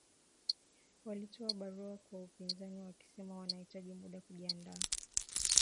Walitoa barua kwa upinzani wakisema wanahitaji muda kujiandaa